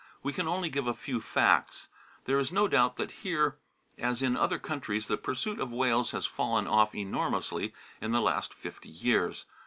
We can only give a few facts. There is no doubt that here as in other countries the pursuit of whales has fallen off enormously in the last fifty years.